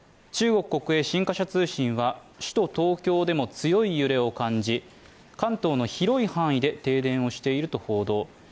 中国国営新華社通信は首都・東京でも強い揺れを感じ、関東の広い範囲で停電をしていると報道。